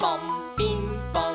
ピンポン！